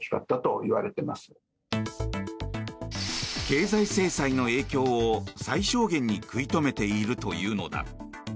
経済制裁の影響を、最小限に食い止めているというのだ。